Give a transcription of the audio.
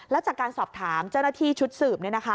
แล้วจากการสอบถามเจ้าหน้าที่ชุดสืบเนี่ยนะคะ